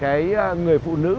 cái hình ảnh của người phụ nữ